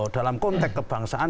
dalam konteks kebangsaan